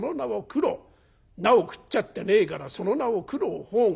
菜を食っちゃってねえから『その名を九郎判官』。